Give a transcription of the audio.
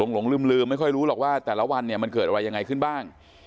หลงลืมไม่ค่อยรู้หรอกว่าแต่ละวันเนี่ยมันเกิดอะไรยังไงขึ้นบ้าง